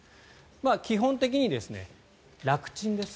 基本的に楽ちんです。